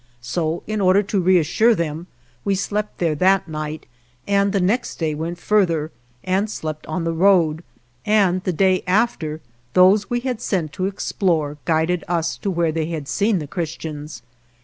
So, in order to reassure them, we slept there 165 THE JOURNEY OF that night, and the next day went further, and slept on the road; and the day after those we 'had sent to explore guided us to where fhey had seen the Christians.